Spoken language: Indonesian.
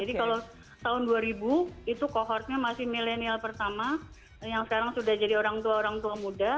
jadi kalau tahun dua ribu itu kohortnya masih milenial pertama yang sekarang sudah jadi orang tua orang tua muda